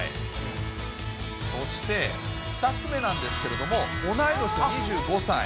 そして、２つ目なんですけれども、同い年の２５歳。